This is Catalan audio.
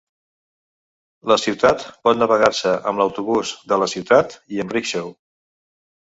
La ciutat pot navegar-se amb l'autobús de la ciutat i amb rickshaw.